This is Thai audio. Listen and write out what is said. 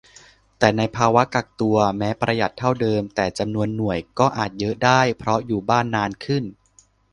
แต่ในภาวะกักตัว แม้ประหยัดเท่าเดิม แต่จำนวนหน่วยก็อาจเยอะได้ เพราะอยู่บ้านนานขึ้น